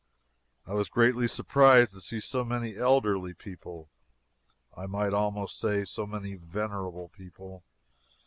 I was greatly surprised to see so many elderly people I might almost say, so many venerable people.